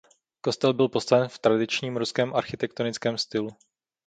Kostel byl postaven v tradičním ruském architektonickém stylu.